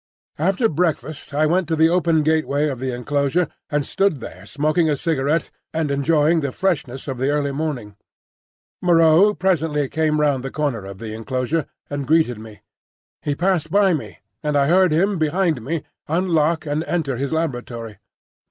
After breakfast I went to the open gateway of the enclosure, and stood there smoking a cigarette and enjoying the freshness of the early morning. Moreau presently came round the corner of the enclosure and greeted me. He passed by me, and I heard him behind me unlock and enter his laboratory.